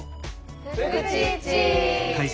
フクチッチ！